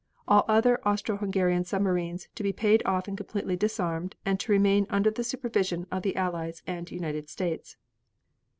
All other Austro Hungarian submarines to be paid off and completely disarmed and to remain under the supervision of the Allies and United States.